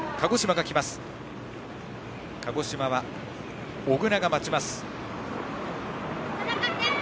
鹿児島は小倉が待ちます。